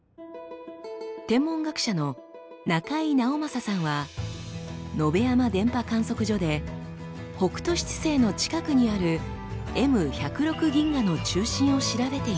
天文学者の中井直正さんは野辺山電波観測所で北斗七星の近くにあるＭ１０６銀河の中心を調べていました。